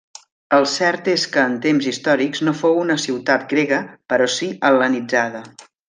El cert és que en temps històrics no fou una ciutat grega però si hel·lenitzada.